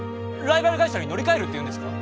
ライバル会社に乗り換えるっていうんですか！？